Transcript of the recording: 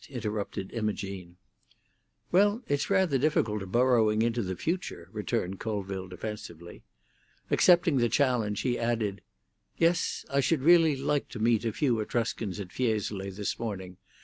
interrupted Imogene. "Well, it's rather difficult burrowing into the future," returned Colville defensively. Accepting the challenge, he added: "Yes, I should really like to meet a few Etruscans in Fiesole this morning.